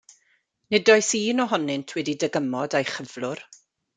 Nid oes un ohonynt wedi dygymod â'i chyflwr.